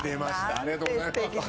ありがとうございます。